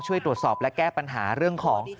ช่วยตรวจสอบและแก้ปัญหาเรื่องของ